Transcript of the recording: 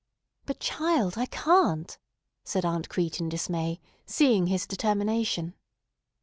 "But, child, I can't!" said Aunt Crete in dismay, seeing his determination.